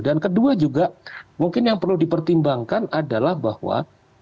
dan kedua juga mungkin yang perlu dipertimbangkan adalah bahwa